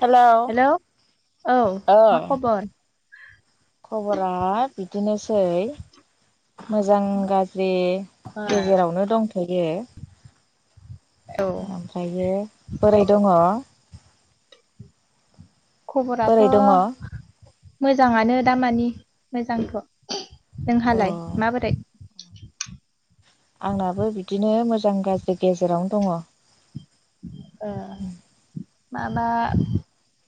हेल' औ हेलौ औ । मा खबर? खबरा बिदिनोस सै मोजां गाज्रि ओ गेजेरावनो दंथ'यो औ ओमफ्रायो बोरै दङ खबराथ' दङ अ मोजाङानो दाामानि मोजांथ' नोंहालाय माबोरै आंनाबो बिदिनो मोजां गाज्रि गेजेरावनो दङ ओ माबा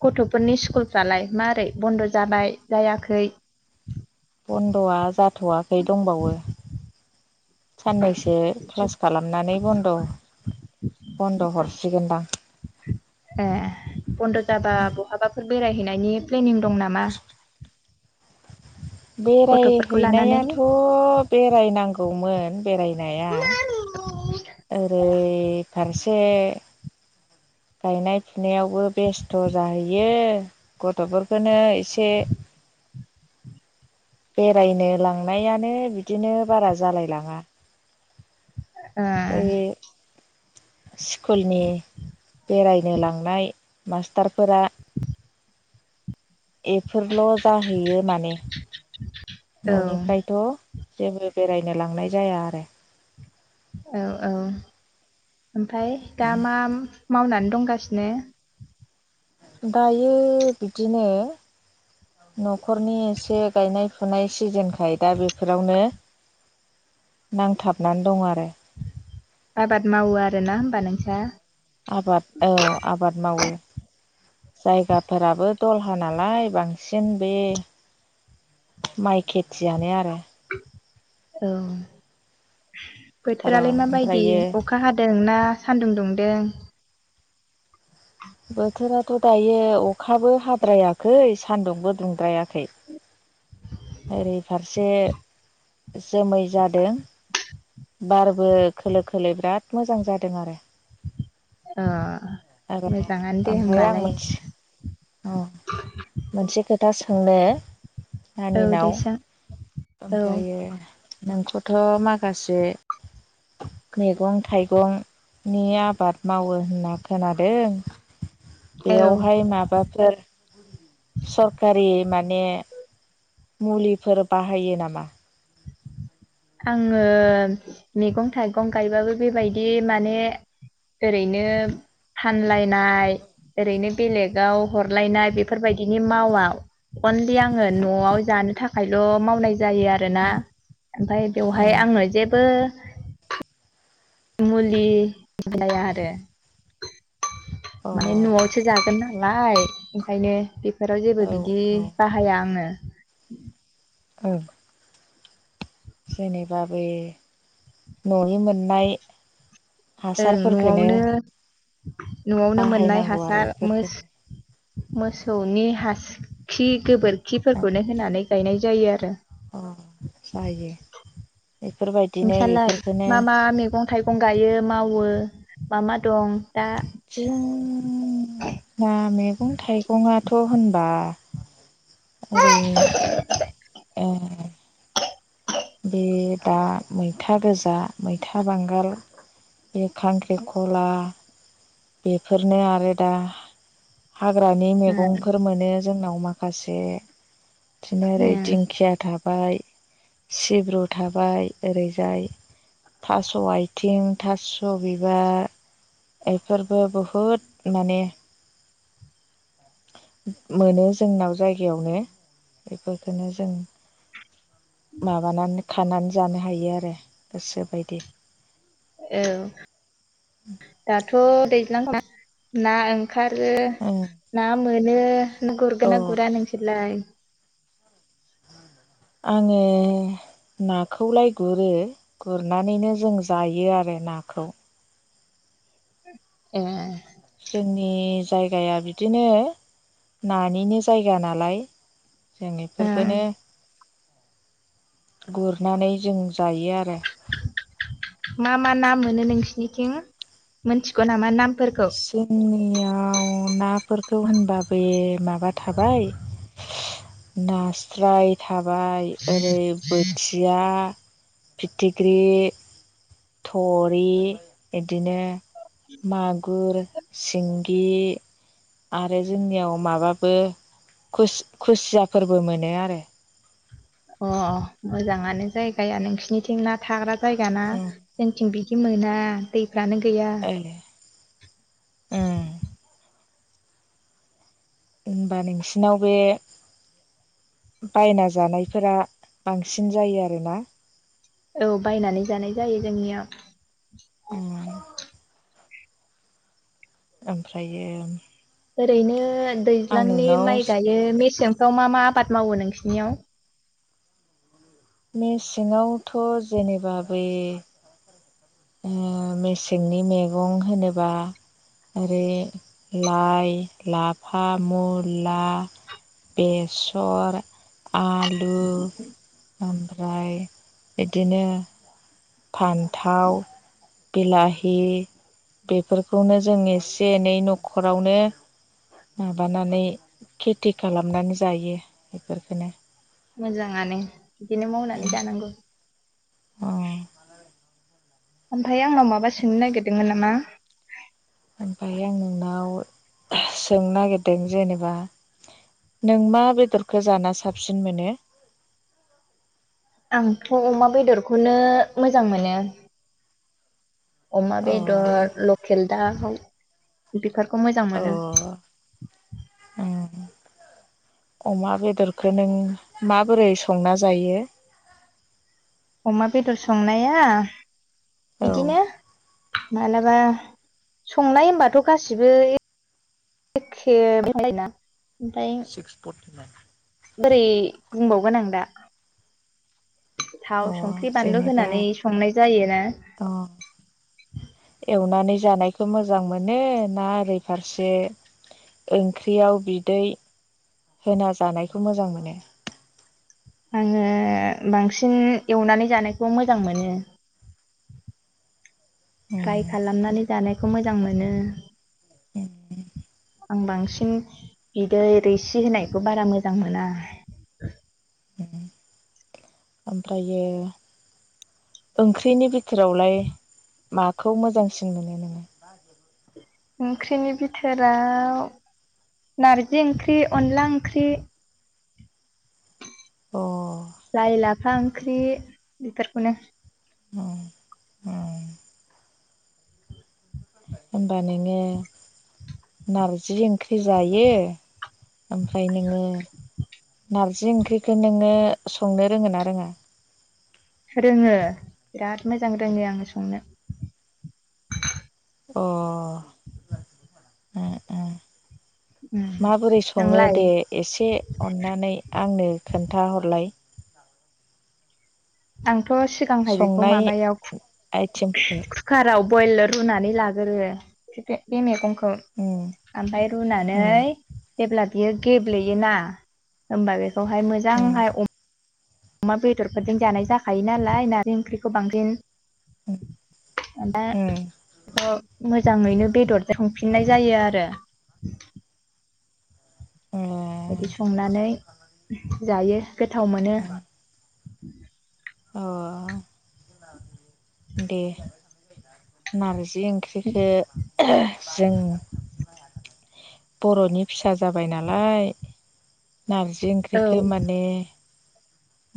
गथ'फोरनि स्कुलफ्रालाय मारै बन्द' जाबाय जायाखै बन्द'आ जाथ'वाखै दंबावो साननैसो क्लास खालामनानै बन्द बन्द' हरसिगोनदां ए बन्द' जाबा बहाबाफोर बेरायहैनायनि प्लेनिं दं नामा? गथ'फोरखौ लानानै बेरायहैनायाथ' बेरायनांगौमोन बेरायनाया ओरै फारसे गायनाय फुनायावबो बेस्थ' जाहैयो गथ'फोरखौनो एसे बेरायनो लांनायानो बिदिनो बारा जालायलाङा आ बै स्कुलनि बेरायनो लांनाय मास्टारफोरा बेफोरल' जाहैयो माने ओ औ न'निफ्रायथ' जेबो बेरायनो लांनाय जाया आरो औ औ ओमफ्राय दामा मावनानै दंगासिनो दायो बिदिनो न'खरनि एसे गायनाय फुनाय सिजेनखाय दा बेफोरावनो नांथाबनानै दं आरो आबाद मावो आरो ना होमबा नोंसा? आबाद औ आबाद मावो जायगाफोराबो दलहा नालाय बांसिन बे माइ खेथियानो आरो औ र' बोथोरालाय माबायदि ओमफ्रायो अखा हादों ना सानदुं दुंदों? बोथोराथ' दायो अखाबो हाद्रायाखै सानदुंबो दुंद्रायाखै। ओरै फारसे जोमै जादों बारबो खोलो खोलो बिराद मोजां जादों आरो अ आरो मोजाङानो दे ओमफ्राय आं होमबालाय मोनसे औ मोनसे खोथा सोंनो औ दे नानिनाव सों औ ओमफ्रायो नोंखौथ' माखासे मेगं थाइगं नि आबाद मावो होन्ना खोनादों औ बेयावहाय माबाफोर सरखारि माने मुलिफोर बाहायो नामा? आङो मेगं थाइगं गायबाबो बेबायदि माने ओरैनो फानलायनाय ओरैनो बेलेगाव हरलायनाय बेफोरबायदिनि मावा अनलि आङो न'आव जानो थाखायल' मावनाय जायो आरोना ओमफाय अ बेवहाय आंङो जेबो मुलि जाया आरो औ माने न'आवसो जागोन नालाय ओंखायनो बे बेफोराव जेबो बिदि औ बाहाया आङो। ओ जेनेबा बे न'नि मोननाय ओं हासारफोरखौनो न'आवनो न'आवनो मोननाय बाहायनांगौ आरो हासार मोस बेफोरखौनो - मोसौनि हास खि गोबोरखिफोरखौनो होनानै गायनाय जायो आरो अ' जायो। बेफोरबायदिनो नोंसालाय बेफोरखौनो मा मा मेगं थाइगं गायो मावो मा मा दं? दा जों ना मेगं थाइगंङाथ' होनबा ओरै ओ बे दा मैथा गोजा, मैथा बांगाल बे खांख्रिख'ला बेफोरनो आरो दा हाग्रानि मेगंफोर मोनो जोंनाव माखासे इदिनो ओरै दिंखिया थाबाय सिब्रु थाबाय ओरैजाय थास' आथिं, थास' बिबार, एफोरबो बहुद माने मोनो जोंनाव जायगायावनो, बेफोरखोनो जों माबानानै खानानै जानो हायो आरो गोसोबायदि। औ दाथ' दैज्लांना ना ओंखारो ओं ना मोनो, गुरगोन अ ना गुरा नोंसोरलाय? आङो नाखौलाय गुरो गुरनानैनो जों जायो आरो नाखौ। ए जोंनि जायगाया बिदिनो नानिनो जायगा नालाय जों इफोरखौनो गुरनानै जों जायो आरो मा मा ना नोंसिनिथिं मोनथिग' नामा नाम जोंनिया औ नाफोरखौ होनबा बे माबा थाबाय नास्राय थाबाय ओरै बोथिया फिथिख्रि थरि इदिनो मागुर सिंगि आरो जोंनियाव माबाबो खुसि खुसियाफोरबो मोनो आरो अ मोजांङानो जायगाया नोंसोरनिथिं ना थाग्रा जायगा ना उम जोंथिं बिदि बिदि मोना दैफ्रानो गैया ओ उम होनबा नोंसिनाव बे बायना जानायफोरा बांसिन जायो आरोना औ बायनानै जानाय जायो जोंनिया ओमफ्रायो ओरैनो आं दैज्लांनि नोंनाव माइ गायो मेसेंफ्राव मा मा आबाद मावो नोंसिनियाव मेसेङावथ' जेनेबा बे ओ मेसेंनि मेगं होनोबा आरो लाइ लाफा मुला बेसर आलु ओमफ्राय बिदिनो फान्थाव बिलाहि बेफोरखौनो जों एसे एनै न'खरावनो माबानानै खेथि खालामनानै जायो बेफोरफोरखोनो मोजाङानो बिदिनो मावनानै जानांगौ अ ओमफ्राय आंनाव माबा सोंनो नागिरदोंमोन नामा? ओमफ्राय आं नोंनाव सोंनो नागिरदों जेनेबा नों मा बेदरखौ जाना साबसिन मोनो आंथ' अमा बेदरखौनो मोजां मोनो अमा अ बेदर लकेल दाव बेखौ मोजां अ मोनो ओम अमा बेदरखौ नों माबोरै संना जायो अमा बेदर संनाया औ बिदिनो मालाबा संनाय होमबाथ' गासिबो [unintelligible] सिक्स फरटि नाइन बोरै बुंबावगोन आं दा अ थाव संख्रि बानलु जेनेबा होनानै संनाय जायोना अ एवनानै जानायखौ मोजां मोनो ना ओरै फारसे ओंख्रियाव बिदै होना जानायखौ मोजां मोनो आङो बांसिन एवनानै जानायखौ मोजां मोनो फ्राइ ओम खालामनानै जानायखौ मोजां मोनो [inaudible] आं बांसिन बिदै रैसि होनायखौ बारा मोजां मोना ओमफ्रायो ओंख्रिनि बिथोरावलाय माखौ मोजांसिन मोनो नोङो ओंख्रिनि बि फोराव नारजि ओंख्रि अनला ओंख्रि अ लाइ लाफा ओंख्रि बेफोरखौनो अ अ होमबा नोङो नारजि ओंख्रि जायो ओमफ्राय नोङो नारजि ओंख्रिखौ नोङो संनो रोङो ना रोङा? रोङो बिराद मोजां रोङो आङो संनो। अह ए ए उम माबोरै सङो नोंलाय दे एसे अननानै आंनो खोनथाहरलाय? आंथ' सिगांहाय बेखौ संनाय माबायाव आइटेमखौ कुकाराव ब्रयलार होनानै लाग्रो बे मैगंखौ उम ओमफ्राय रुनानै उम जेब्ला बियो गेब्लेयोना होमबा बेखौहाय उम मोजांहाय अ मा बेदरफोरजों जानाय जाखायो नालाय नारजि ओंख्रिखौ बांसिन [inaudible] दा उम मोजाङैनो बेदर संफिननाय जायो आरो। [inaudible] बिदि संनानै जायो गोथाव मोनो। अ दे नार जि ओंख्रिखौ जों बर'नि फिसा जाबाय नालाय नारजि औ ओंख्रिखौ माने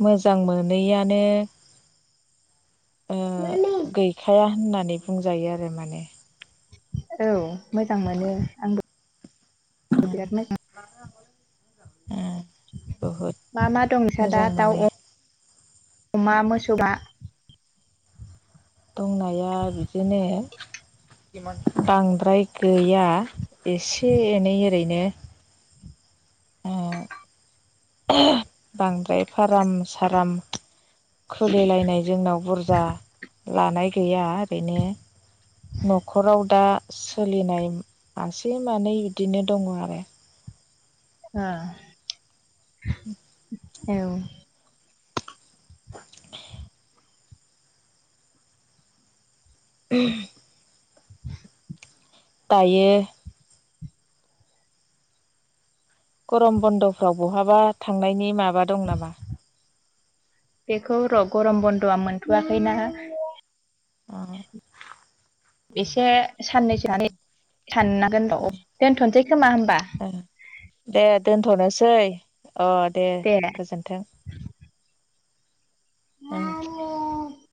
मोजां मोनैआनो ओ गैखाया होननानै बुंजायो आरो माने। औ मोजां मोनो आंबो बिराद मोजां मोनो। ओ बहुद मा मा दं नोंसा दा मोजां दाउ मोनो अ मा मोसौआ? दंनाया बिदिनो [unintelligible] बांद्राय गैया एसे एनै ओरैनो ओ बांद्राय फाराम साराम खुलिलायनाय जोंनाव बुरजा लानाय गैया ओरैनो न'खराव दा सोलिनाय मासे मानै इदिनो दङ' आरो। ओ औ [unintelligible] दायो गरम बन्द'फ्राव बहाबा थांनायनि माबा दं नामा? बेखौ र गरम बन्द'आ मोनथ'वाखैना। अ एसे साननैसोआनै साननांगोनर' दोनथ'नोसै खोमा होमबा ओ दे दोनथ'नोसै अ दे गोजोनथों। नानि